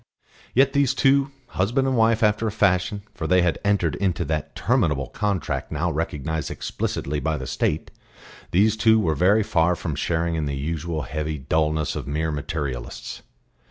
Yet these two, husband and wife after a fashion for they had entered into that terminable contract now recognised explicitly by the State these two were very far from sharing in the usual heavy dulness of mere materialists.